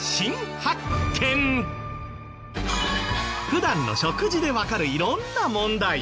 普段の食事でわかる色んな問題。